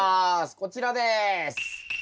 こちらです。